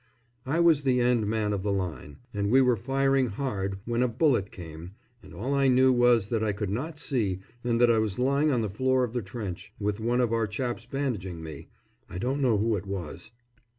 I was the end man of the line, and we were firing hard when a bullet came, and all I knew was that I could not see and that I was lying on the floor of the trench, with one of our chaps bandaging me I don't know who it was.